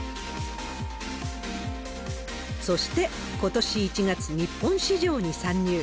そして、ことし１月、日本市場に参入。